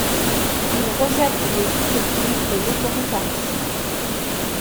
Il rejette les utopies et l'autoritarisme.